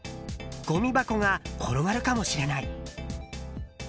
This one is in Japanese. ごみ箱が転がるかもしれない。